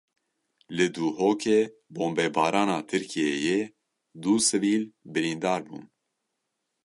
Li Duhokê bombebarana Tirkiyeyê du sivîl birîndar bûn.